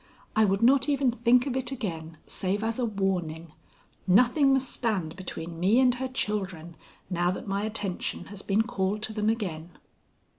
I would not even think of it again, save as a warning. Nothing must stand between me and her children now that my attention has been called to them again.